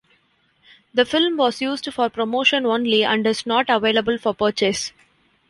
The film was used for promotion only and is not available for purchase.